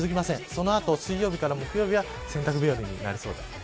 その後、水曜日、木曜日が洗濯日和になりそうです。